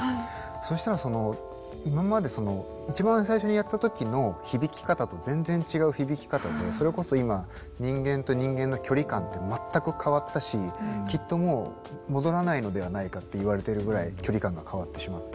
そしたらその今まで一番最初にやった時の響き方と全然違う響き方でそれこそ今人間と人間の距離間って全く変わったしきっともう戻らないのではないかっていわれているぐらい距離感が変わってしまった。